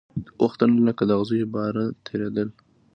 وختونه لکه د اغزیو باره تېرېدل